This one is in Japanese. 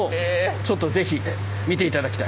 ちょっと是非見て頂きたい。